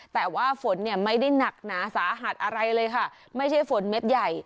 แต่ว่าฝนเนี่ยไม่ได้หนักหนาสาหัสอะไรเลยค่ะไม่ใช่ฝนเม็ดใหญ่